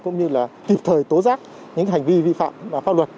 cũng như là kịp thời tố giác những hành vi vi phạm pháp luật